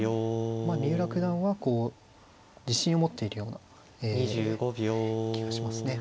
三浦九段は自信を持っているようなえ気がしますね。